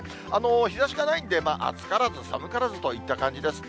日ざしがないんで、暑からず、寒からずといった感じです。